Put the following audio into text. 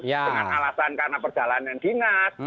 dengan alasan karena perjalanan dinas